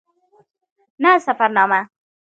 نه سفرنامه.